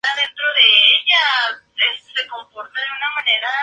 Presenta un pequeño pico central en el punto medio del suelo interior.